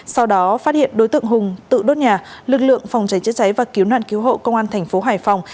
sau đó phát hiện đối tượng hùng tự đốt nhà lực lượng phòng cháy chữa cháy và cứu nạn cứu hộ công an thành phố hải phòng